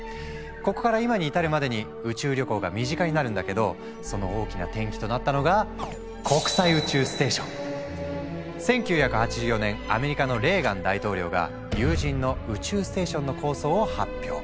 ここから今に至るまでに宇宙旅行が身近になるんだけどその大きな転機となったのが１９８４年アメリカのレーガン大統領が有人の宇宙ステーションの構想を発表。